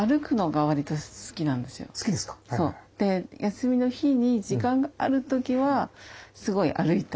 休みの日に時間がある時はすごい歩いたりとか。